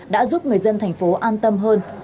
đã giúp người dân thành phố an tâm hơn